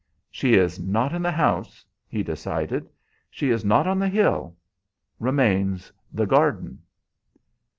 "She is not in the house," he decided; "she is not on the hill remains the garden."